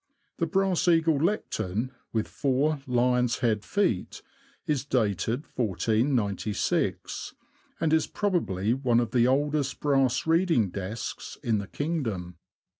The brass eagle lectern, with four lion's head feet, is dated 1496, and is probably one of the oldest brass reading desks in the kingdom.